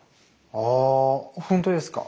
あぁほんとですか？